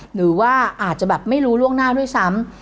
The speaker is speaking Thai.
หรือว่าอาจจะแบบไม่รู้ล่วงหน้าด้วยซ้ำ